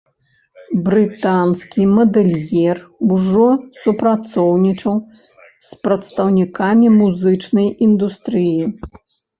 Брытанскі мадэльер ўжо супрацоўнічаў з прадстаўнікамі музычнай індустрыі.